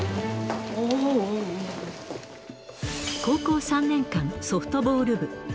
高校３年間、ソフトボール部。